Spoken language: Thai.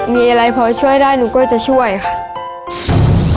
มีอะไรพอช่วยได้หนูก็จะช่วยค่ะ